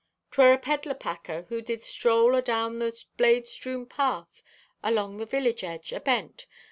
"'Twere a peddle packer who did stroll adown the blade strewn path along the village edge, abent.